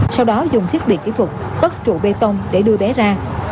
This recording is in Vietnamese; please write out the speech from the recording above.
sau đó dùng thiết bị kỹ thuật cất trụ bê tông để đưa bé ra